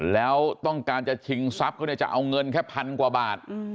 แล้วต้องการจะชิงทรัพย์เขาเนี่ยจะเอาเงินแค่พันกว่าบาท